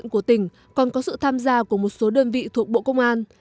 công an của tỉnh còn có sự tham gia của một số đơn vị thuộc bộ công an